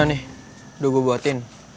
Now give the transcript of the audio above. nih udah gue buatin